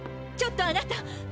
ちょっとあなた！